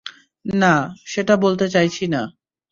না, সেটা বলতে চাইছি না।